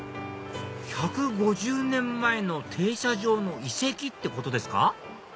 １５０年前の停車場の遺跡ってことですか？